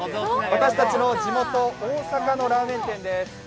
私たちの地元・大阪のラーメン店です。